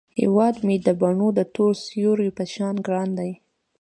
هیواد مې د بڼو د تور سیوري په شان ګران دی